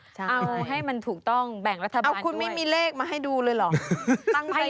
เอาให้มันถูกต้องแบ่งรัฐบาลด้วย